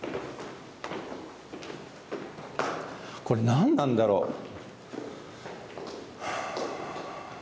これ何なんだろう？